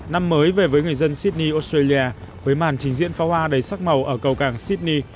năm mới về với người dân sydney australia với màn trình diễn pháo hoa đầy sắc màu ở cầu cảng sydney